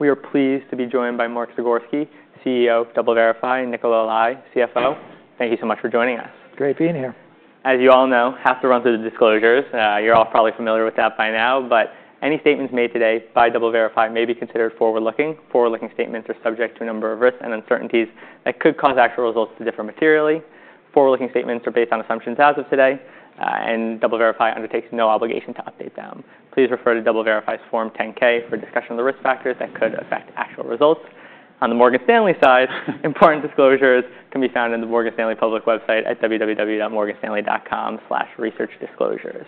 We are pleased to be joined by Mark Zagorski, CEO of DoubleVerify, and Nicola Allais, CFO. Thank you so much for joining us. Great being here. As you all know, I have to run through the disclosures. You're all probably familiar with that by now, but any statements made today by DoubleVerify may be considered forward-looking. Forward-looking statements are subject to a number of risks and uncertainties that could cause actual results to differ materially. Forward-looking statements are based on assumptions as of today, and DoubleVerify undertakes no obligation to update them. Please refer to DoubleVerify's Form 10-K for discussion of the risk factors that could affect actual results. On the Morgan Stanley side, important disclosures can be found on the Morgan Stanley public website at www.morganstanley.com/researchdisclosures.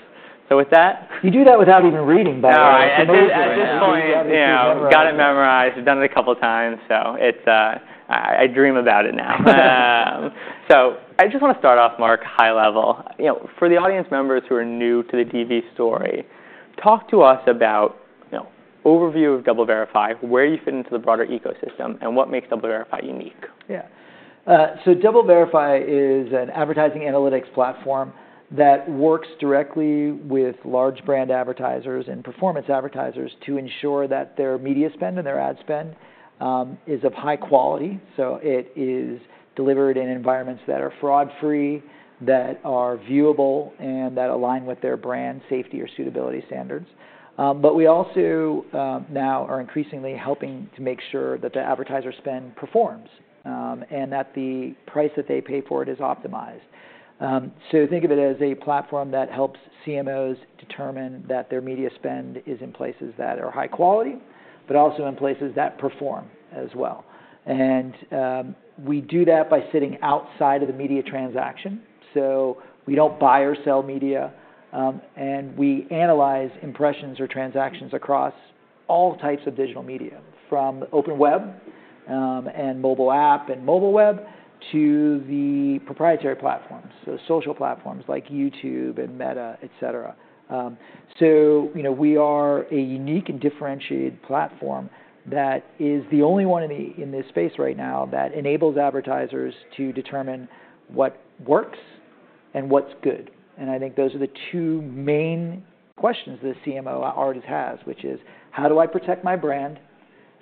So with that. You do that without even reading, by the way. No, I know that at this point. Yeah, I've got it memorized. I've done it a couple of times, so I dream about it now. So. Just want to start off, Mark, high level. For the audience members who are new to the DV story, talk to us about an overview of DoubleVerify, where you fit into the broader ecosystem, and what makes DoubleVerify unique. Yeah. So DoubleVerify is an advertising analytics platform that works directly with large brand advertisers and performance advertisers to ensure that their media spend and their ad spend is of high quality. So it is delivered in environments that are fraud-free, that are viewable, and that align with their brand safety or suitability standards. But we also now are increasingly helping to make sure that the advertiser spend performs and that the price that they pay for it is optimized. So think of it as a platform that helps CMOs determine that their media spend is in places that are high quality, but also in places that perform as well. And we do that by sitting outside of the media transaction. So we don't buy or sell media, and we analyze impressions or transactions across all types of digital media, from the open web and mobile app and mobile web to the proprietary platforms, so social platforms like YouTube and Meta, etc. So we are a unique and differentiated platform that is the only one in this space right now that enables advertisers to determine what works and what's good. And I think those are the two main questions the CMO already has, which is, how do I protect my brand,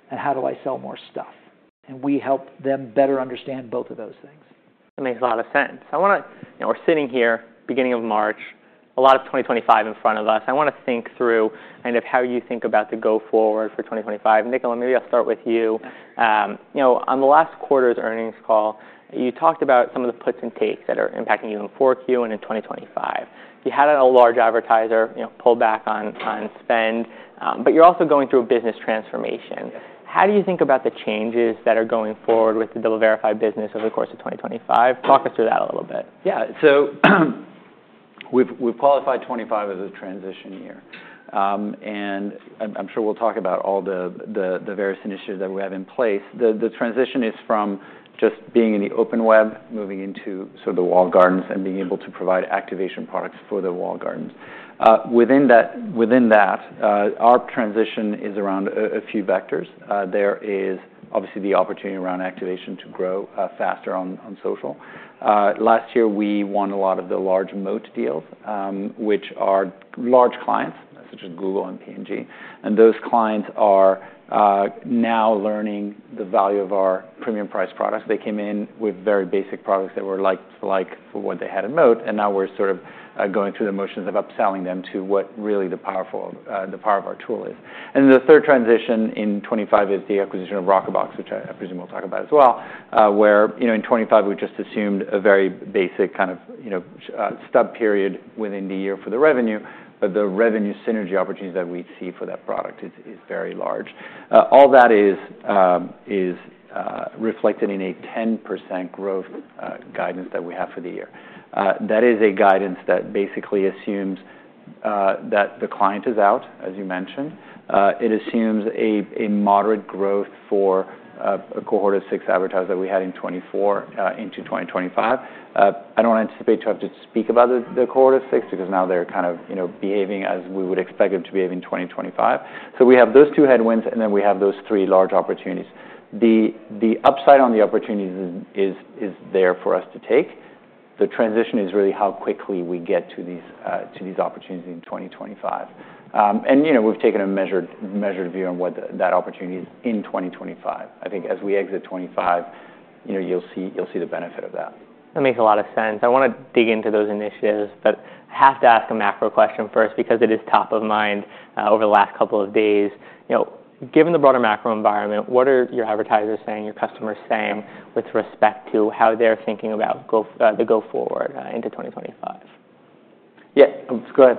and how do I sell more stuff? And we help them better understand both of those things. That makes a lot of sense. We're sitting here, beginning of March, a lot of 2025 in front of us. I want to think through kind of how you think about the go forward for 2025. Nicola, maybe I'll start with you. On the last quarter's earnings call, you talked about some of the puts and takes that are impacting you in 4Q and in 2025. You had a large advertiser pull back on spend, but you're also going through a business transformation. How do you think about the changes that are going forward with the DoubleVerify business over the course of 2025? Talk us through that a little bit. Yeah. So we've qualified 2025 as a transition year, and I'm sure we'll talk about all the various initiatives that we have in place. The transition is from just being in the open web, moving into sort of the walled gardens, and being able to provide activation products for the walled gardens. Within that, our transition is around a few vectors. There is obviously the opportunity around activation to grow faster on social. Last year, we won a lot of the large Moat deals, which are large clients, such as Google and P&G, and those clients are now learning the value of our premium price products. They came in with very basic products that were like what they had in Moat, and now we're sort of going through the motions of upselling them to what really the power of our tool is. And then the third transition in 2025 is the acquisition of Rockerbox, which I presume we'll talk about as well, where in 2025 we just assumed a very basic kind of stub period within the year for the revenue, but the revenue synergy opportunities that we see for that product is very large. All that is reflected in a 10% growth guidance that we have for the year. That is a guidance that basically assumes that the client is out, as you mentioned. It assumes a moderate growth for a cohort of six advertisers that we had in 2024 into 2025. I don't anticipate to have to speak about the cohort of six because now they're kind of behaving as we would expect them to behave in 2025. So we have those two headwinds, and then we have those three large opportunities. The upside on the opportunities is there for us to take. The transition is really how quickly we get to these opportunities in 2025. And we've taken a measured view on what that opportunity is in 2025. I think as we exit 2025, you'll see the benefit of that. That makes a lot of sense. I want to dig into those initiatives, but I have to ask a macro question first because it is top of mind over the last couple of days. Given the broader macro environment, what are your advertisers saying, your customers saying with respect to how they're thinking about the go-forward into 2025? Yeah, go ahead.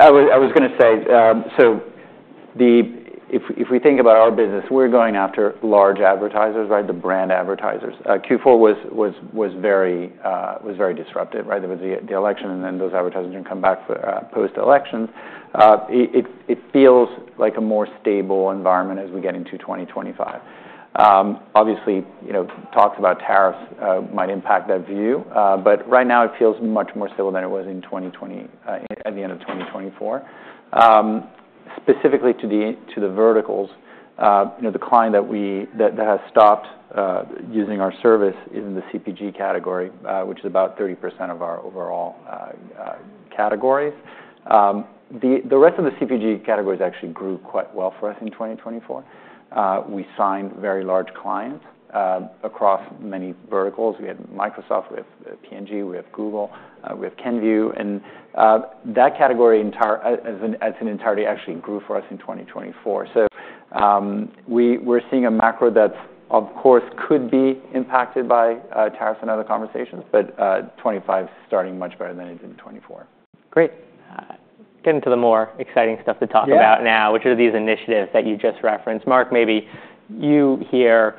I was going to say, so if we think about our business, we're going after large advertisers, the brand advertisers. Q4 was very disruptive. There was the election, and then those advertisers didn't come back post-elections. It feels like a more stable environment as we get into 2025. Obviously, talks about tariffs might impact that view, but right now it feels much more stable than it was at the end of 2024. Specifically to the verticals, the client that has stopped using our service is in the CPG category, which is about 30% of our overall categories. The rest of the CPG categories actually grew quite well for us in 2024. We signed very large clients across many verticals. We had Microsoft, we have P&G, we have Google, we have Kenvue, and that category as an entirety actually grew for us in 2024. So we're seeing a macro that, of course, could be impacted by tariffs and other conversations, but 2025 is starting much better than it did in 2024. Great. Getting to the more exciting stuff to talk about now, which are these initiatives that you just referenced. Mark, maybe you here,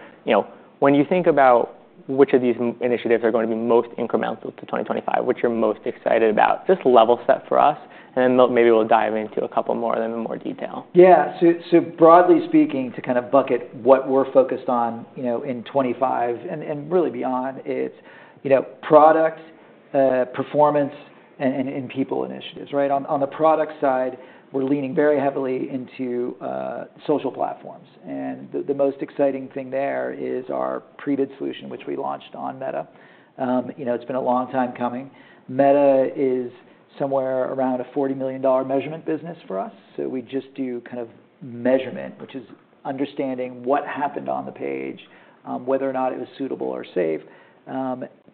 when you think about which of these initiatives are going to be most incremental to 2025, what you're most excited about, just level set for us, and then maybe we'll dive into a couple more of them in more detail. Yeah. So broadly speaking, to kind of bucket what we're focused on in 2025 and really beyond, it's product, performance, and people initiatives. On the product side, we're leaning very heavily into social platforms. And the most exciting thing there is our pre-bid solution, which we launched on Meta. It's been a long time coming. Meta is somewhere around a $40 million measurement business for us. So we just do kind of measurement, which is understanding what happened on the page, whether or not it was suitable or safe,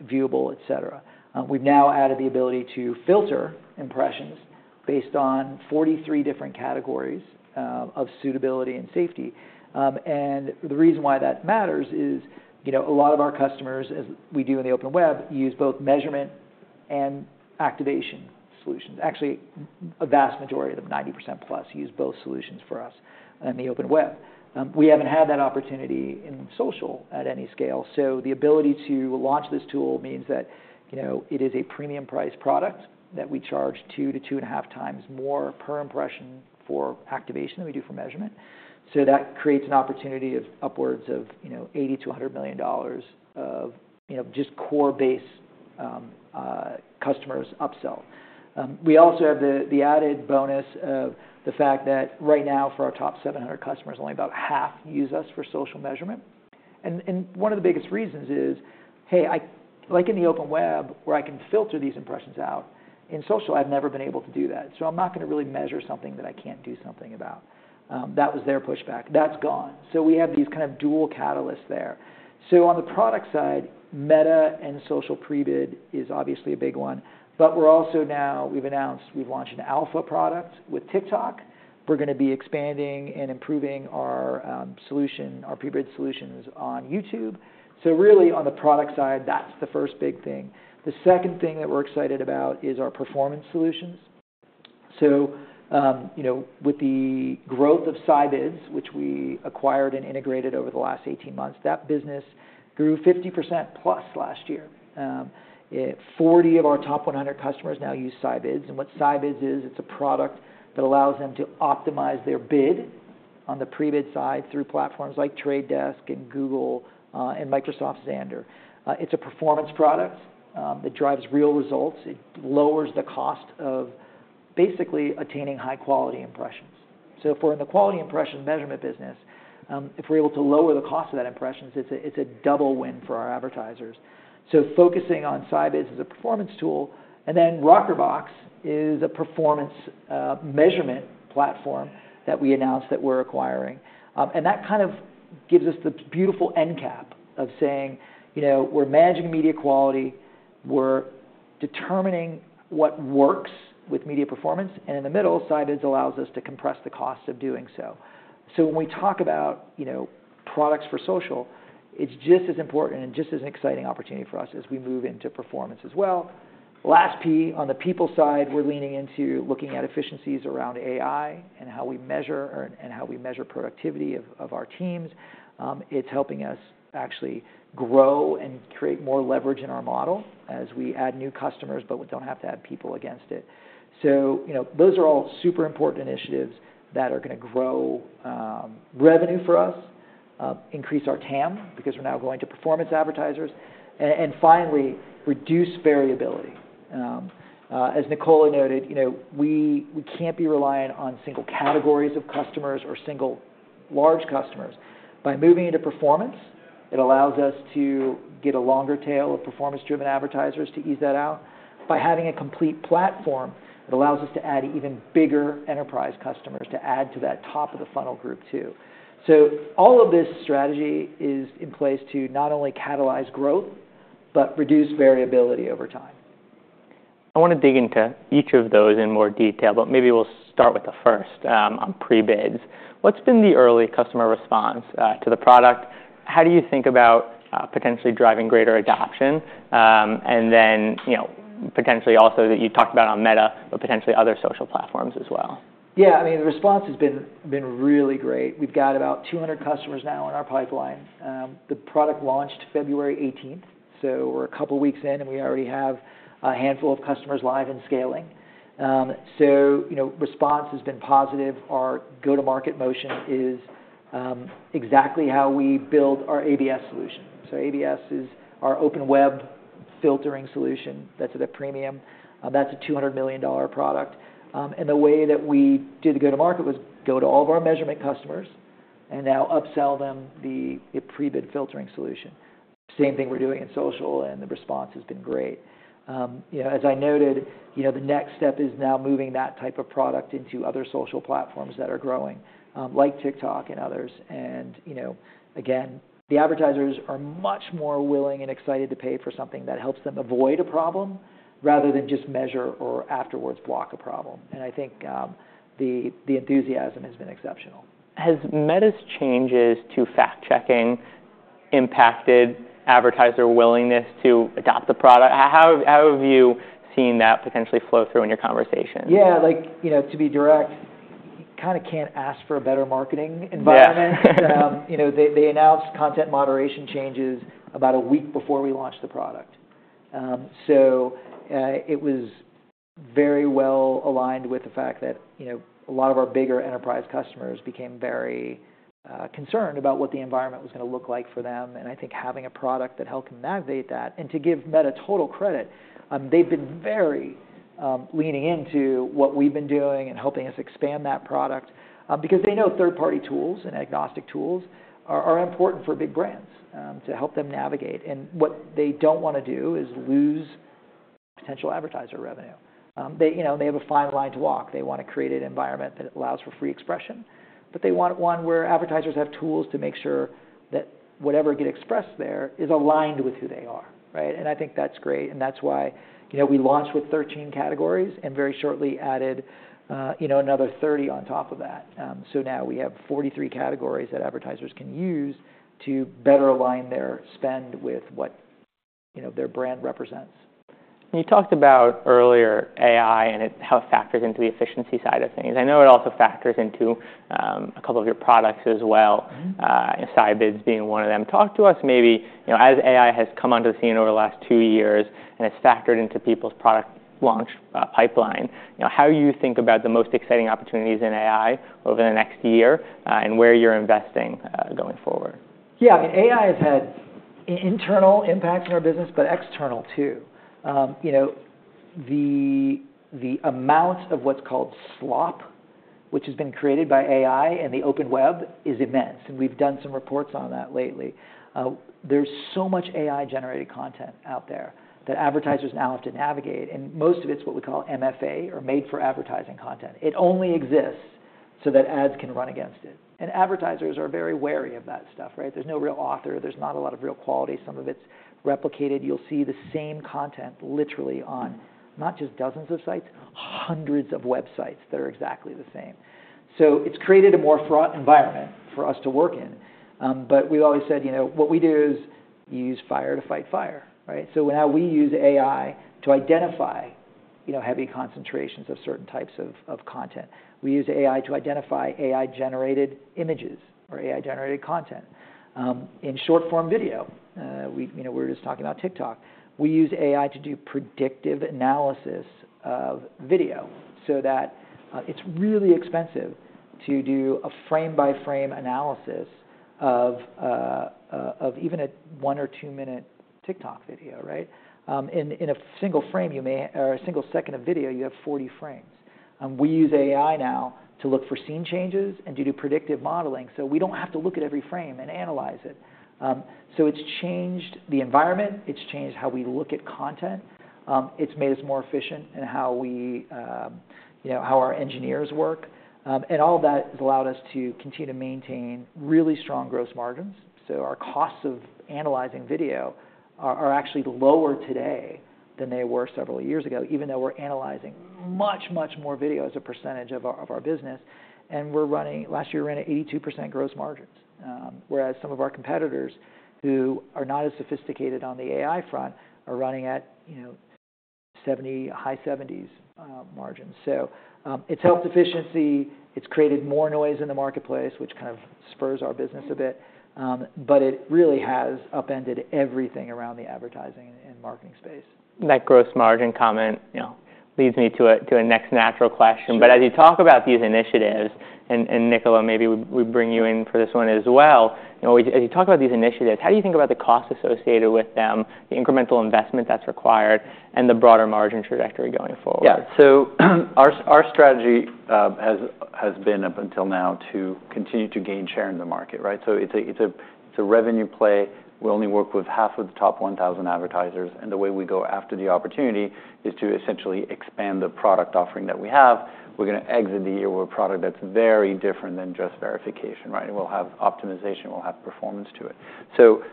viewable, etc. We've now added the ability to filter impressions based on 43 different categories of suitability and safety. And the reason why that matters is a lot of our customers, as we do in the open web, use both measurement and activation solutions. Actually, a vast majority of them, 90%+, use both solutions for us in the open web. We haven't had that opportunity in social at any scale. So the ability to launch this tool means that it is a premium price product that we charge 2x-2.5x more per impression for activation than we do for measurement. So that creates an opportunity of upwards of $80 million-$100 million of just core base customers upsell. We also have the added bonus of the fact that right now for our top 700 customers, only about half use us for social measurement. And one of the biggest reasons is, hey, like in the open web, where I can filter these impressions out, in social, I've never been able to do that. So I'm not going to really measure something that I can't do something about. That was their pushback. That's gone. So we have these kind of dual catalysts there. So on the product side, Meta and social pre-bid is obviously a big one, but we're also now, we've announced we've launched an alpha product with TikTok. We're going to be expanding and improving our pre-bid solutions on YouTube. So really, on the product side, that's the first big thing. The second thing that we're excited about is our performance solutions. So with the growth of Scibids, which we acquired and integrated over the last 18 months, that business grew 50%+ last year. 40 of our top 100 customers now use Scibids. And what Scibids is, it's a product that allows them to optimize their bid on the pre-bid side through platforms like Trade Desk and Google and Microsoft Xandr. It's a performance product that drives real results. It lowers the cost of basically attaining high-quality impressions. So if we're in the quality impression measurement business, if we're able to lower the cost of that impressions, it's a double win for our advertisers. So focusing on Scibids as a performance tool, and then Rockerbox is a performance measurement platform that we announced that we're acquiring. And that kind of gives us the beautiful end cap of saying, we're managing media quality, we're determining what works with media performance, and in the middle, Scibids allows us to compress the cost of doing so. So when we talk about products for social, it's just as important and just as an exciting opportunity for us as we move into performance as well. Last P, on the people side, we're leaning into looking at efficiencies around AI and how we measure and how we measure productivity of our teams. It's helping us actually grow and create more leverage in our model as we add new customers, but we don't have to add people against it. So those are all super important initiatives that are going to grow revenue for us, increase our TAM because we're now going to performance advertisers, and finally, reduce variability. As Nicola noted, we can't be reliant on single categories of customers or single large customers. By moving into performance, it allows us to get a longer tail of performance-driven advertisers to ease that out. By having a complete platform, it allows us to add even bigger enterprise customers to add to that top of the funnel group too. So all of this strategy is in place to not only catalyze growth, but reduce variability over time. I want to dig into each of those in more detail, but maybe we'll start with the first on pre-bid. What's been the early customer response to the product? How do you think about potentially driving greater adoption and then potentially also that you talked about on Meta, but potentially other social platforms as well? Yeah, I mean, the response has been really great. We've got about 200 customers now in our pipeline. The product launched February 18th, so we're a couple of weeks in, and we already have a handful of customers live and scaling. So response has been positive. Our go-to-market motion is exactly how we build our ABS solution. So ABS is our open web filtering solution that's at a premium. That's a $200 million product. And the way that we did the go-to-market was go to all of our measurement customers and now upsell them the pre-bid filtering solution. Same thing we're doing in social, and the response has been great. As I noted, the next step is now moving that type of product into other social platforms that are growing, like TikTok and others. Again, the advertisers are much more willing and excited to pay for something that helps them avoid a problem rather than just measure or afterwards block a problem. I think the enthusiasm has been exceptional. Has Meta's changes to fact-checking impacted advertiser willingness to adopt the product? How have you seen that potentially flow through in your conversations? Yeah, to be direct, you kind of can't ask for a better marketing environment. They announced content moderation changes about a week before we launched the product. So it was very well aligned with the fact that a lot of our bigger enterprise customers became very concerned about what the environment was going to look like for them. And I think having a product that helped them navigate that, and to give Meta total credit, they've been very leaning into what we've been doing and helping us expand that product because they know third-party tools and agnostic tools are important for big brands to help them navigate. And what they don't want to do is lose potential advertiser revenue. They have a fine line to walk. They want to create an environment that allows for free expression, but they want one where advertisers have tools to make sure that whatever gets expressed there is aligned with who they are, and I think that's great, and that's why we launched with 13 categories and very shortly added another 30 on top of that, so now we have 43 categories that advertisers can use to better align their spend with what their brand represents. You talked about earlier AI and how it factors into the efficiency side of things. I know it also factors into a couple of your products as well, Scibids being one of them. Talk to us maybe as AI has come onto the scene over the last two years and has factored into people's product launch pipeline. How do you think about the most exciting opportunities in AI over the next year and where you're investing going forward? Yeah, I mean, AI has had internal impacts in our business, but external too. The amount of what's called slop, which has been created by AI and the open web is immense. And we've done some reports on that lately. There's so much AI-generated content out there that advertisers now have to navigate. And most of it's what we call MFA or made-for-advertising content. It only exists so that ads can run against it. And advertisers are very wary of that stuff. There's no real author. There's not a lot of real quality. Some of it's replicated. You'll see the same content literally on not just dozens of sites, hundreds of websites that are exactly the same. So it's created a more fraught environment for us to work in. But we've always said what we do is you use fire to fight fire. So now we use AI to identify heavy concentrations of certain types of content. We use AI to identify AI-generated images or AI-generated content. In short-form video, we were just talking about TikTok. We use AI to do predictive analysis of video so that it's really expensive to do a frame-by-frame analysis of even a one or two-minute TikTok video. In a single frame or a single second of video, you have 40 frames. We use AI now to look for scene changes and do predictive modeling so we don't have to look at every frame and analyze it. So it's changed the environment. It's changed how we look at content. It's made us more efficient in how our engineers work. And all of that has allowed us to continue to maintain really strong gross margins. Our costs of analyzing video are actually lower today than they were several years ago, even though we're analyzing much, much more video as a percentage of our business. And last year, we ran at 82% gross margins, whereas some of our competitors who are not as sophisticated on the AI front are running at 70%-high 70s% margins. So it's helped efficiency. It's created more noise in the marketplace, which kind of spurs our business a bit. But it really has upended everything around the advertising and marketing space. That gross margin comment leads me to a next natural question. But as you talk about these initiatives, and Nicola, maybe we bring you in for this one as well, as you talk about these initiatives, how do you think about the cost associated with them, the incremental investment that's required, and the broader margin trajectory going forward? Yeah. So our strategy has been up until now to continue to gain share in the market. So it's a revenue play. We only work with half of the top 1,000 advertisers. And the way we go after the opportunity is to essentially expand the product offering that we have. We're going to exit the year with a product that's very different than just verification. We'll have optimization. We'll have performance to it. So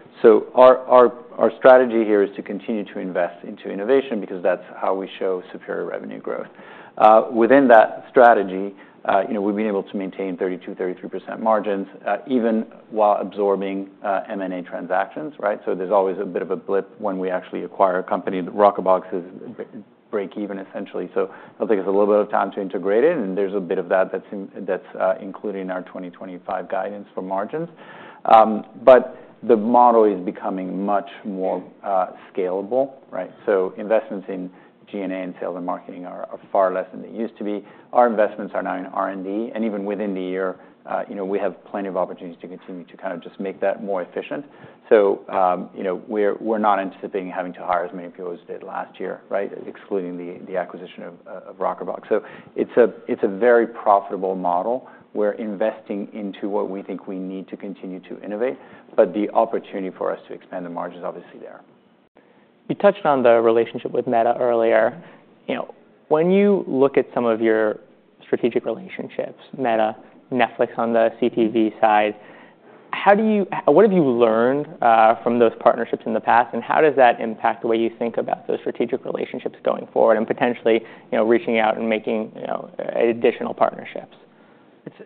our strategy here is to continue to invest into innovation because that's how we show superior revenue growth. Within that strategy, we've been able to maintain 32%-33% margins even while absorbing M&A transactions. So there's always a bit of a blip when we actually acquire a company. Rockerbox is break even, essentially. So it'll take us a little bit of time to integrate it. And there's a bit of that that's included in our 2025 guidance for margins. But the model is becoming much more scalable. So investments in G&A and sales and marketing are far less than they used to be. Our investments are now in R&D. And even within the year, we have plenty of opportunities to continue to kind of just make that more efficient. So we're not anticipating having to hire as many people as we did last year, excluding the acquisition of Rockerbox. So it's a very profitable model. We're investing into what we think we need to continue to innovate. But the opportunity for us to expand the margin is obviously there. You touched on the relationship with Meta earlier. When you look at some of your strategic relationships, Meta, Netflix on the CTV side, what have you learned from those partnerships in the past? And how does that impact the way you think about those strategic relationships going forward and potentially reaching out and making additional partnerships?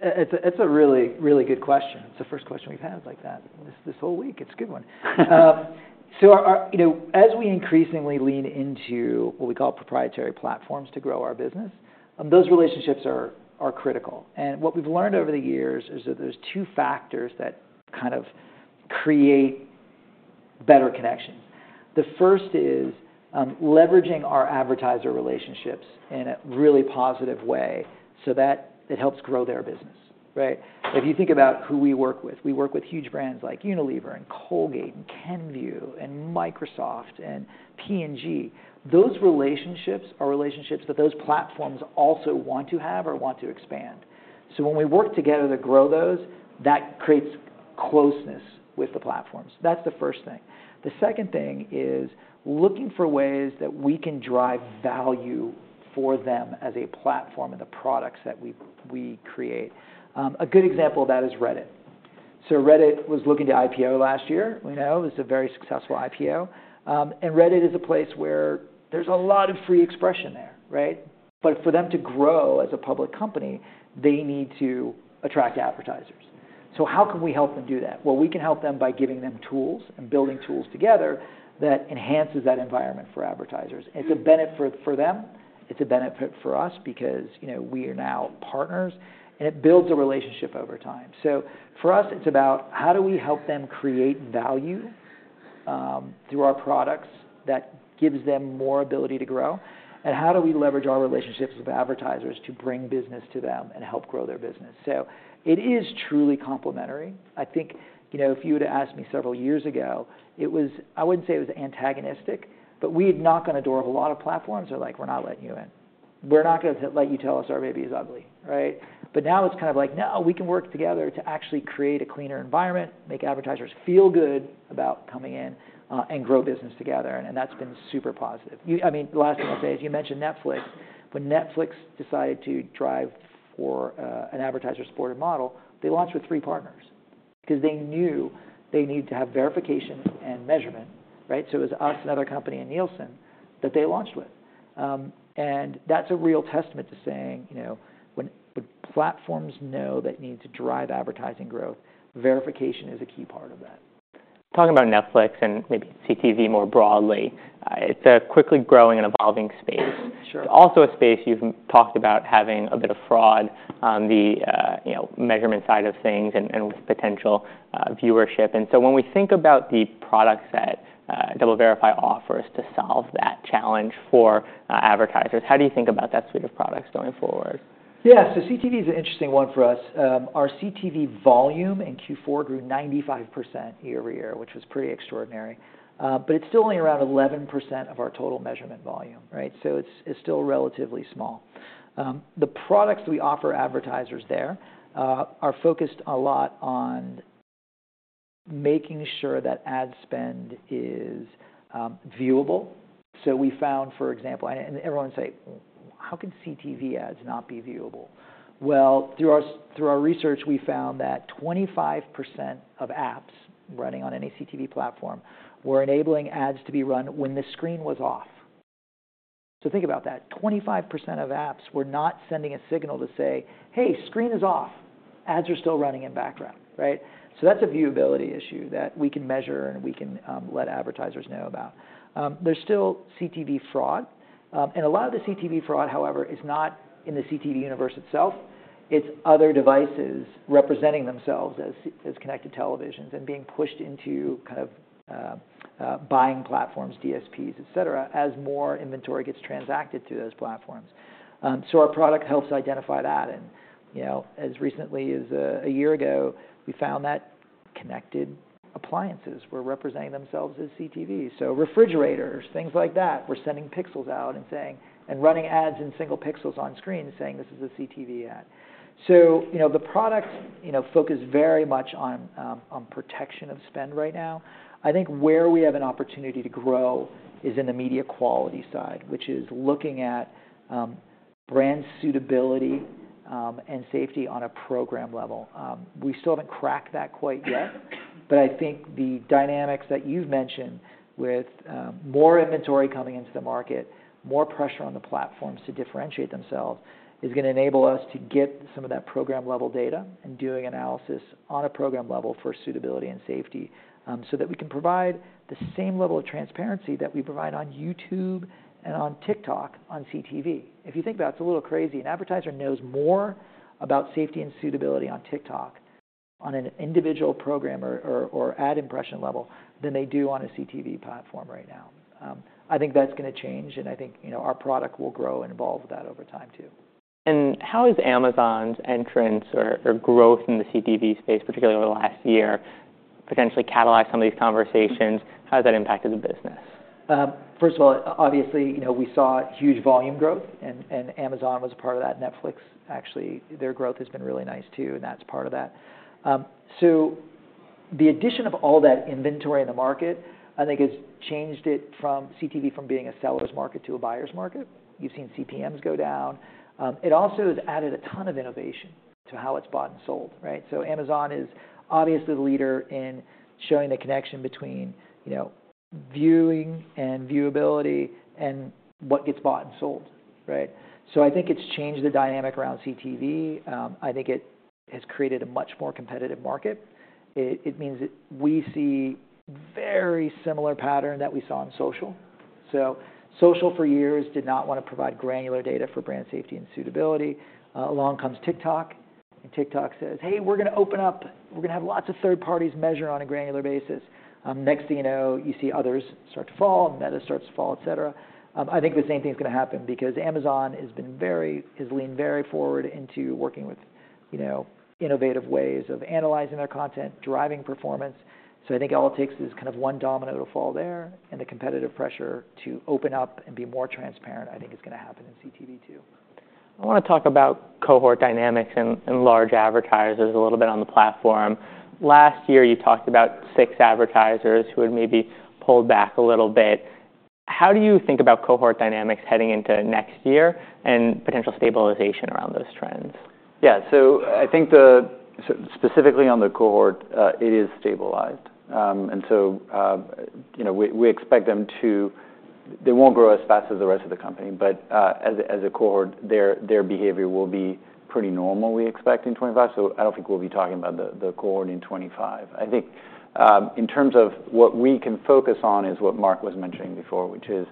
It's a really, really good question. It's the first question we've had like that this whole week. It's a good one. So as we increasingly lean into what we call proprietary platforms to grow our business, those relationships are critical. And what we've learned over the years is that there's two factors that kind of create better connections. The first is leveraging our advertiser relationships in a really positive way so that it helps grow their business. If you think about who we work with, we work with huge brands like Unilever and Colgate and Kenvue and Microsoft and P&G. Those relationships are relationships that those platforms also want to have or want to expand. So when we work together to grow those, that creates closeness with the platforms. That's the first thing. The second thing is looking for ways that we can drive value for them as a platform and the products that we create. A good example of that is Reddit. So Reddit was looking to IPO last year. It was a very successful IPO. And Reddit is a place where there's a lot of free expression there. But for them to grow as a public company, they need to attract advertisers. So how can we help them do that? Well, we can help them by giving them tools and building tools together that enhances that environment for advertisers. It's a benefit for them. It's a benefit for us because we are now partners, and it builds a relationship over time. So for us, it's about how do we help them create value through our products that gives them more ability to grow, and how do we leverage our relationships with advertisers to bring business to them and help grow their business. So it is truly complementary. I think if you would have asked me several years ago, I wouldn't say it was antagonistic, but we had knocked on the door of a lot of platforms that were like, "We're not letting you in. We're not going to let you tell us our baby is ugly." But now it's kind of like, "No, we can work together to actually create a cleaner environment, make advertisers feel good about coming in, and grow business together." And that's been super positive. I mean, the last thing I'll say is you mentioned Netflix. When Netflix decided to drive for an advertiser-supported model, they launched with three partners because they knew they needed to have verification and measurement. So it was us and another company in Nielsen that they launched with. And that's a real testament to saying when platforms know that need to drive advertising growth, verification is a key part of that. Talking about Netflix and maybe CTV more broadly, it's a quickly growing and evolving space. It's also a space you've talked about having a bit of fraud on the measurement side of things and with potential viewership. And so when we think about the products that DoubleVerify offers to solve that challenge for advertisers, how do you think about that suite of products going forward? Yeah, so CTV is an interesting one for us. Our CTV volume in Q4 grew 95% year-over-year, which was pretty extraordinary. But it's still only around 11% of our total measurement volume. So it's still relatively small. The products that we offer advertisers there are focused a lot on making sure that ad spend is viewable. So we found, for example, and everyone's like, "How can CTV ads not be viewable?" Well, through our research, we found that 25% of apps running on any CTV platform were enabling ads to be run when the screen was off. So think about that. 25% of apps were not sending a signal to say, "Hey, screen is off. Ads are still running in background." So that's a viewability issue that we can measure and we can let advertisers know about. There's still CTV fraud. A lot of the CTV fraud, however, is not in the CTV universe itself. It's other devices representing themselves as connected televisions and being pushed into kind of buying platforms, DSPs, etc., as more inventory gets transacted through those platforms. Our product helps identify that. As recently as a year ago, we found that connected appliances were representing themselves as CTV. Refrigerators, things like that, were sending pixels out and running ads in single pixels on screen saying, "This is a CTV ad." The product focuses very much on protection of spend right now. I think where we have an opportunity to grow is in the media quality side, which is looking at brand suitability and safety on a program level. We still haven't cracked that quite yet. But I think the dynamics that you've mentioned with more inventory coming into the market, more pressure on the platforms to differentiate themselves is going to enable us to get some of that program-level data and doing analysis on a program level for suitability and safety so that we can provide the same level of transparency that we provide on YouTube and on TikTok on CTV. If you think about it, it's a little crazy. An advertiser knows more about safety and suitability on TikTok on an individual program or ad impression level than they do on a CTV platform right now. I think that's going to change. And I think our product will grow and evolve with that over time too. How has Amazon's entrance or growth in the CTV space, particularly over the last year, potentially catalyzed some of these conversations? How has that impacted the business? First of all, obviously, we saw huge volume growth, and Amazon was a part of that. Netflix, actually, their growth has been really nice too, and that's part of that, so the addition of all that inventory in the market, I think, has changed CTV from being a seller's market to a buyer's market. You've seen CPMs go down. It also has added a ton of innovation to how it's bought and sold, so Amazon is obviously the leader in showing the connection between viewing and viewability and what gets bought and sold, so I think it's changed the dynamic around CTV. I think it has created a much more competitive market. It means that we see a very similar pattern that we saw on social, so social for years did not want to provide granular data for brand safety and suitability. Along comes TikTok. And TikTok says, "Hey, we're going to open up. We're going to have lots of third parties measure on a granular basis." Next thing you know, you see others start to fall. Meta starts to fall, etc. I think the same thing is going to happen because Amazon has leaned very forward into working with innovative ways of analyzing their content, driving performance. So I think all it takes is kind of one domino to fall there. And the competitive pressure to open up and be more transparent, I think, is going to happen in CTV too. I want to talk about cohort dynamics and large advertisers a little bit on the platform. Last year, you talked about six advertisers who had maybe pulled back a little bit. How do you think about cohort dynamics heading into next year and potential stabilization around those trends? Yeah, so I think specifically on the cohort, it is stabilized. And so we expect them. They won't grow as fast as the rest of the company, but as a cohort, their behavior will be pretty normal, we expect, in 2025, so I don't think we'll be talking about the cohort in 2025. I think in terms of what we can focus on is what Mark was mentioning before, which is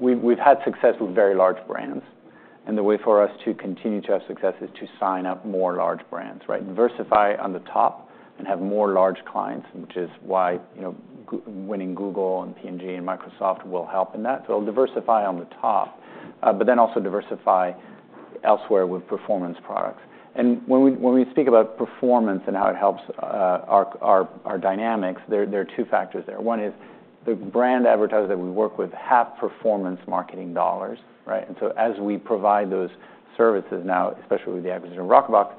we've had success with very large brands, and the way for us to continue to have success is to sign up more large brands, diversify on the top, and have more large clients, which is why winning Google and P&G and Microsoft will help in that, so we'll diversify on the top, but then also diversify elsewhere with performance products, and when we speak about performance and how it helps our dynamics, there are two factors there. One is the brand advertisers that we work with have performance marketing dollars, and so as we provide those services now, especially with the acquisition of Rockerbox,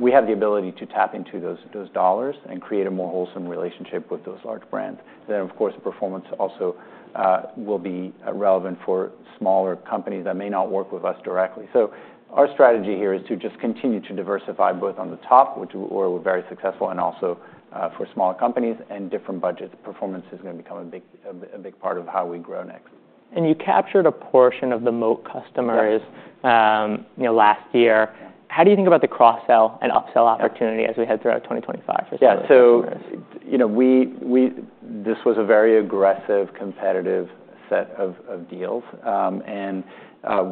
we have the ability to tap into those dollars and create a more wholesome relationship with those large brands, then, of course, performance also will be relevant for smaller companies that may not work with us directly, so our strategy here is to just continue to diversify both on the top, which we're very successful, and also for smaller companies and different budgets. Performance is going to become a big part of how we grow next. You captured a portion of the Moat customers last year. How do you think about the cross-sell and upsell opportunity as we head throughout 2025 for selling advertisers? Yeah. So this was a very aggressive, competitive set of deals. And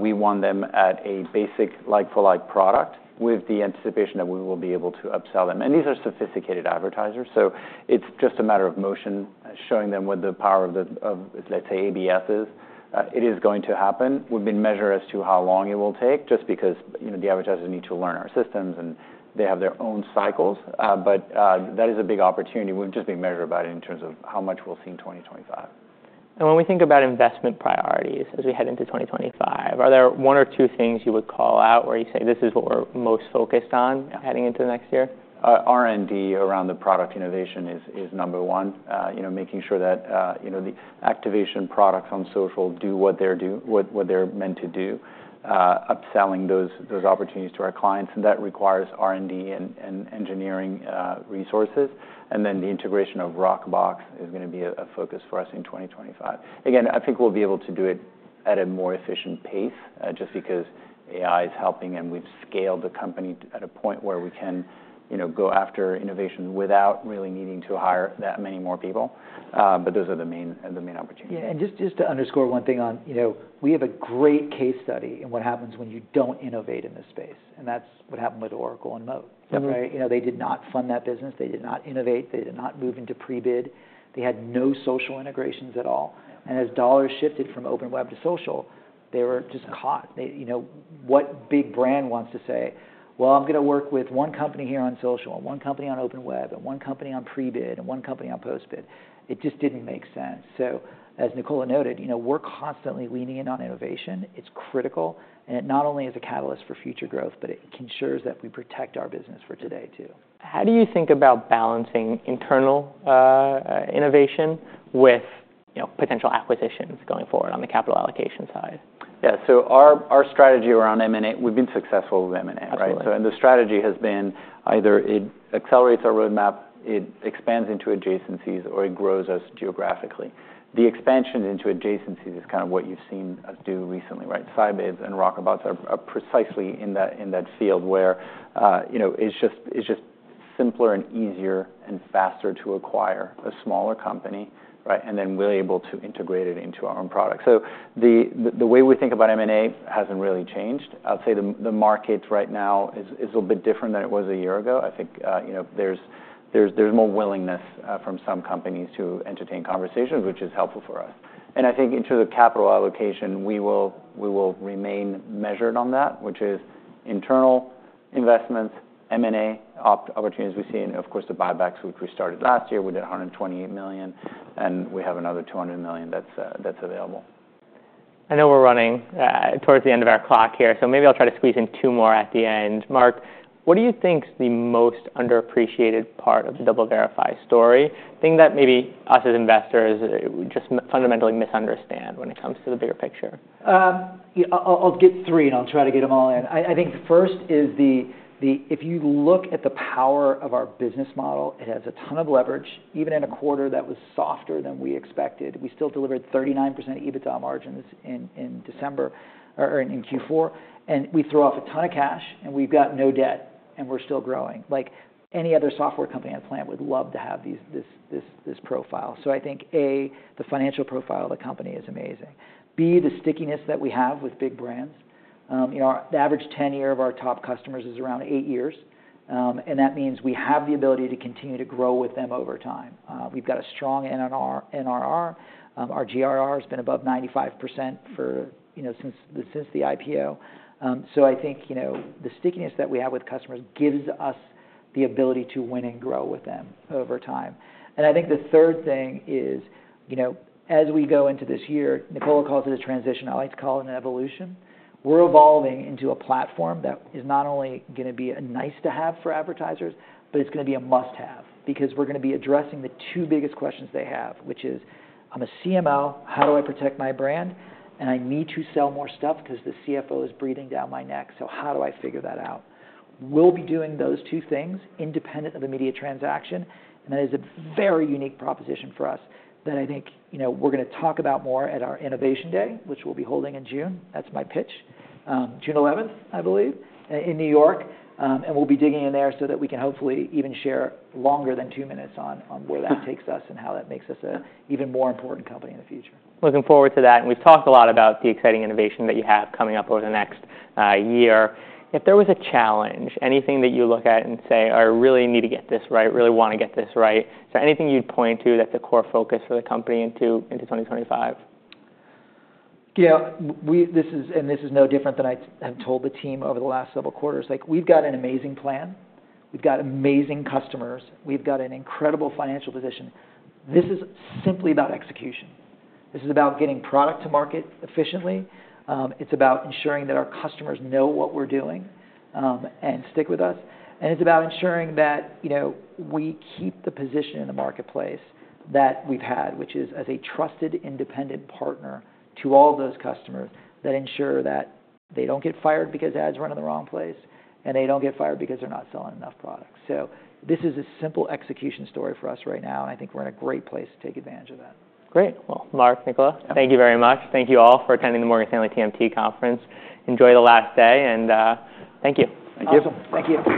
we won them at a basic like-for-like product with the anticipation that we will be able to upsell them. And these are sophisticated advertisers. So it's just a matter of time showing them what the power of, let's say, ABS is. It is going to happen. We've been measured as to how long it will take just because the advertisers need to learn our systems, and they have their own cycles. But that is a big opportunity. We've just been measured by it in terms of how much we'll see in 2025. When we think about investment priorities as we head into 2025, are there one or two things you would call out where you say, "This is what we're most focused on heading into the next year"? R&D around the product innovation is number one, making sure that the activation products on social do what they're meant to do, upselling those opportunities to our clients. And that requires R&D and engineering resources. And then the integration of Rockerbox is going to be a focus for us in 2025. Again, I think we'll be able to do it at a more efficient pace just because AI is helping, and we've scaled the company at a point where we can go after innovation without really needing to hire that many more people. But those are the main opportunities. Yeah. And just to underscore one thing, we have a great case study in what happens when you don't innovate in this space. And that's what happened with Oracle and Moat. They did not fund that business. They did not innovate. They did not move into pre-bid. They had no social integrations at all. And as dollars shifted from open web to social, they were just caught. What big brand wants to say, "Well, I'm going to work with one company here on social, and one company on open web, and one company on pre-bid, and one company on post-bid"? It just didn't make sense. So as Nicola noted, we're constantly leaning in on innovation. It's critical. And it not only is a catalyst for future growth, but it ensures that we protect our business for today too. How do you think about balancing internal innovation with potential acquisitions going forward on the capital allocation side? Yeah, so our strategy around M&A, we've been successful with M&A, and the strategy has been either it accelerates our roadmap, it expands into adjacencies, or it grows us geographically. The expansion into adjacencies is kind of what you've seen us do recently. Scibids and Rockerbox are precisely in that field where it's just simpler and easier and faster to acquire a smaller company and then we're able to integrate it into our own product. So the way we think about M&A hasn't really changed. I'll say the market right now is a little bit different than it was a year ago. I think there's more willingness from some companies to entertain conversations, which is helpful for us, and I think in terms of capital allocation, we will remain measured on that, which is internal investments, M&A opportunities we see, and of course, the buybacks which we started last year. We did $128 million. And we have another $200 million that's available. I know we're running towards the end of our clock here. So maybe I'll try to squeeze in two more at the end. Mark, what do you think is the most underappreciated part of the DoubleVerify story? The thing that maybe us as investors just fundamentally misunderstand when it comes to the bigger picture? I'll get three, and I'll try to get them all in. I think the first is if you look at the power of our business model, it has a ton of leverage. Even in a quarter that was softer than we expected, we still delivered 39% EBITDA margins in Q4. And we threw off a ton of cash, and we've got no debt. And we're still growing. Any other software company on the planet would love to have this profile. So I think, A, the financial profile of the company is amazing. B, the stickiness that we have with big brands. The average tenure of our top customers is around eight years. And that means we have the ability to continue to grow with them over time. We've got a strong NRR. Our GRR has been above 95% since the IPO. So I think the stickiness that we have with customers gives us the ability to win and grow with them over time. And I think the third thing is as we go into this year, Nicola calls it a transition. I like to call it an evolution. We're evolving into a platform that is not only going to be a nice-to-have for advertisers, but it's going to be a must-have because we're going to be addressing the two biggest questions they have, which is, "I'm a CMO. How do I protect my brand? And I need to sell more stuff because the CFO is breathing down my neck. So how do I figure that out?" We'll be doing those two things independent of the media transaction. And that is a very unique proposition for us that I think we're going to talk about more at our Innovation Day, which we'll be holding in June. That's my pitch, June 11, I believe, in New York. And we'll be digging in there so that we can hopefully even share longer than two minutes on where that takes us and how that makes us an even more important company in the future. Looking forward to that. And we've talked a lot about the exciting innovation that you have coming up over the next year. If there was a challenge, anything that you look at and say, "I really need to get this right, really want to get this right"? Is there anything you'd point to that's a core focus for the company into 2025? Yeah. And this is no different than I have told the team over the last several quarters. We've got an amazing plan. We've got amazing customers. We've got an incredible financial position. This is simply about execution. This is about getting product to market efficiently. It's about ensuring that our customers know what we're doing and stick with us. And it's about ensuring that we keep the position in the marketplace that we've had, which is as a trusted, independent partner to all of those customers that ensure that they don't get fired because ads run in the wrong place, and they don't get fired because they're not selling enough products. So this is a simple execution story for us right now. And I think we're in a great place to take advantage of that. Great. Well, Mark, Nicola, thank you very much. Thank you all for attending the Morgan Stanley TMT Conference. Enjoy the last day. And thank you. Thank you. Thank you.